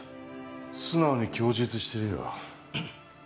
素直に供述してるよ。